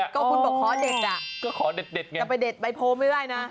ก็คุณบอกขอเด็ดแต่ไปเด็ดใบโพไม่ได้นะ